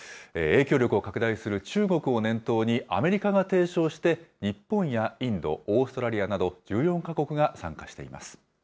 影響力を拡大する中国を念頭に、アメリカが提唱して、日本やインド、オーストラリアなど、１４か国が参加しています。